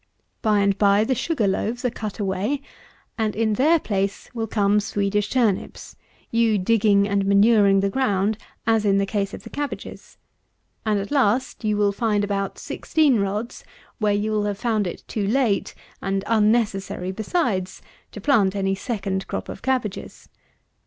By and by the Sugar loaves are cut away, and in their place will come Swedish turnips, you digging and manuring the ground as in the case of the cabbages: and, at last, you will find about 16 rods where you will have found it too late, and unnecessary besides, to plant any second crop of cabbages.